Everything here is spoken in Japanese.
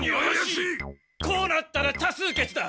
こうなったら多数決だ！